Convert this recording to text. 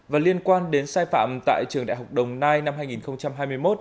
và liên quan đến sai phạm tại trường đại học đồng nai năm hai nghìn hai mươi một